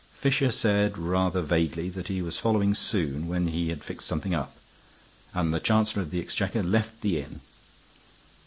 Fisher said, rather vaguely, that he was following soon, when he had fixed something up; and the Chancellor of the Exchequer left the inn.